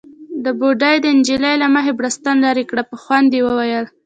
بوډۍ د نجلۍ له مخې بړستن ليرې کړه، په خوند يې وويل: